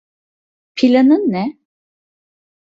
Planın ne?